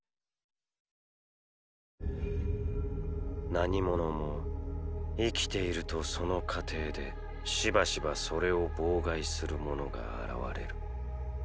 何者も生きているとその過程でしばしばそれを妨害するものが現れる。